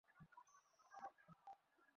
তুমি কি এর জন্য প্রস্তুত?